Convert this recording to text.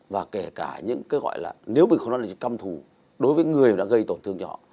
và kể cả những cái gọi là nếu mình không nói là chỉ căm thù đối với người đã gây tổn thương cho họ